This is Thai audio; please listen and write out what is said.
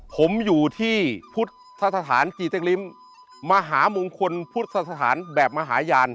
ผมอยู่ที่พุทธสถานกีเต็กลิ้มมหามงคลพุทธสถานแบบมหาญาณ